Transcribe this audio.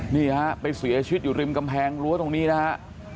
นี่ฮะไปเสียชีวิตอยู่ริมกำแพงรั้วตรงนี้นะฮะ